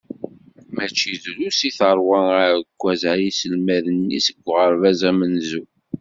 Mačči drus i terwa aɛekkaz ɣer yiselmaden-is deg uɣerbaz amenzu.